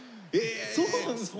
そうなんですね！